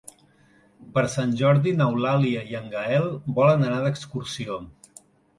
Per Sant Jordi n'Eulàlia i en Gaël volen anar d'excursió.